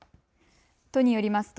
都によりますと